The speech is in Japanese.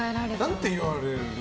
何て言われます？